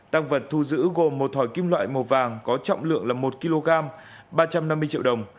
tăng vật thu giữ gồm một thỏi kim loại màu vàng có trọng lượng là một kg ba trăm năm mươi triệu đồng